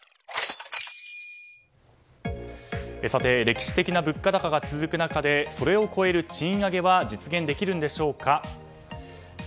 さて、歴史的な物価高が続く中でそれを超える賃上げは実現できるんでしょうか。